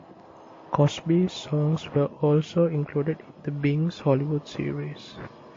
Crosby's songs were also included in the "Bing's Hollywood" series.